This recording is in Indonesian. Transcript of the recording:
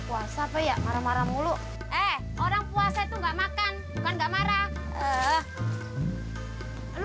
puasa tuh ya marah marah mulu eh orang puasa itu enggak makan bukan enggak marah